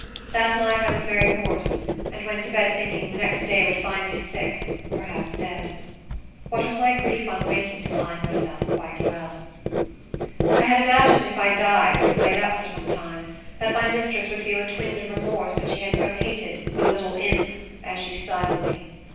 That night I was very hoarse; and I went to bed thinking the next day would find me sick, perhaps dead. What was my grief on waking to find myself quite well! I had imagined if I died, or was laid up for some time, that my mistress would feel a twinge of remorse that she had so hated "the little imp," as she styled me.